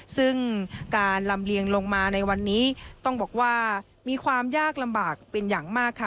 ซึ่งการลำเลียงลงมาในวันนี้ต้องบอกว่ามีความยากลำบากเป็นอย่างมากค่ะ